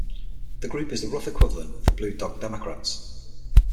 The group is the rough equivalent of the Blue Dog Democrats.